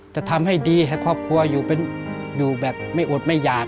จะทำให้ดีให้ครอบครัวอยู่แบบไม่อดไม่หยาด